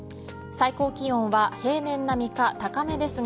最高気温は平年並みか高めですが